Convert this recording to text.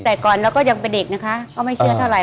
แต่ก่อนเราก็ยังเป็นเด็กนะคะก็ไม่เชื่อเท่าไห